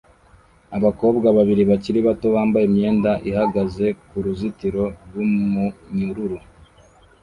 Abakobwa babiri bakiri bato bambaye imyenda ihagaze kuruzitiro rwumunyururu